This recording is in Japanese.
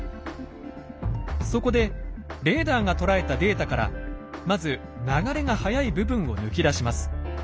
そこでレーダーが捉えたデータからまず流れが速い部分を抜き出します。